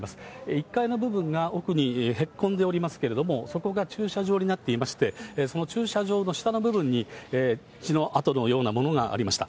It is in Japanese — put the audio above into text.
１階の部分が奥にへっこんでおりますけれども、そこが駐車場になっていまして、その駐車場の下の部分に、血の跡のようなものがありました。